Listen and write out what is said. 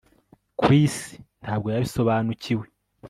Chris ntabwo yabisobanukiwe